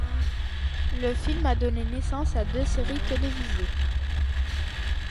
Le film a donné naissance à deux séries télévisées.